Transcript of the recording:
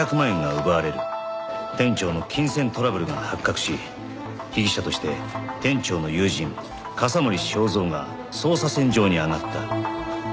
店長の金銭トラブルが発覚し被疑者として店長の友人笠森昭三が捜査線上に上がった。